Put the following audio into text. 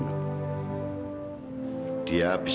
bahkan dia berpikir